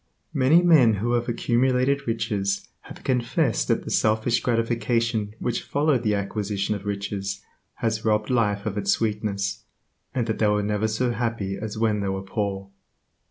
Many men who have accumulated riches have confessed that the selfish gratification which followed the acquisition of riches has robbed life of its sweetness, and that they were never so happy as when they were poor.